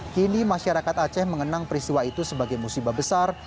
kini masyarakat aceh mengenang peristiwa itu sebagai musibah besar